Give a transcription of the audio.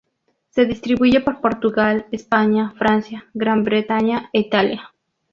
Se distribuye por Portugal, España, Francia, Gran Bretaña e Italia.